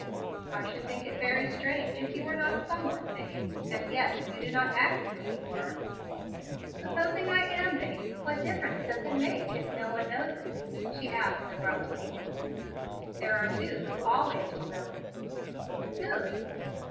"I should think it very strange if you were not somewhat vain. And yet you do not act as if you were." "Supposing I am vain. What difference does it make, if no one knows it?" she asked abruptly. "There are two who always will know it." "Who?"